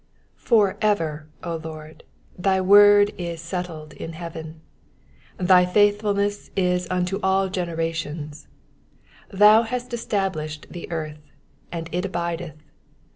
^OR ever, O Lord, thy word is settled in heaven. 90 Thy faithfulness is unto all generations : ^thou hast es tablished the earth, and it abideth.